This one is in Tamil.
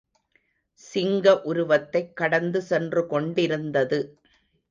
சிங்க உருவத்தைக் கடந்து சென்று கொண்டிருந்தது.